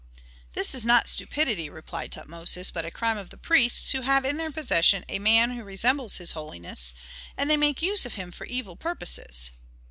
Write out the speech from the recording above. "This is not stupidity," replied Tutmosis, "but a crime of the priests, who have in their possession a man who resembles his holiness, and they make use of him for evil purposes."